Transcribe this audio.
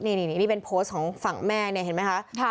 นี่เป็นโพสต์ของฝั่งแม่เนี่ยเห็นไหมคะ